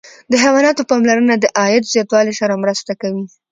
د حیواناتو پاملرنه د عاید زیاتوالي سره مرسته کوي.